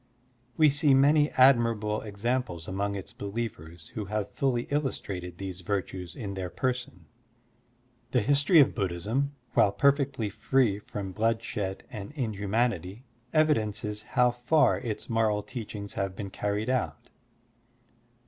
We see many admirable examples among its believers who have fully illtistrated these virtues in their person. The history of Buddhism, while perfectly free from bloodshed and inhumanity, evidences how far its moral teachings have been carried out.